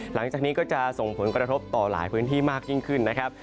หลังจากนี้ก็จะส่งผลกระทบต่อหลายพื้นที่มากยิ่งขึ้นนะครับ